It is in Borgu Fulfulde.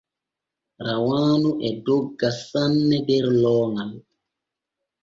Rawaanu e dogga sanne der looŋal.